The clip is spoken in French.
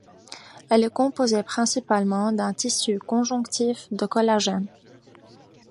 Elle est composée principalement d'un tissu conjonctif de collagène.